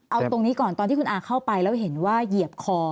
เอาตรงนี้ก่อนตอนที่คุณอาเข้าไปแล้วเห็นว่าเหยียบคอ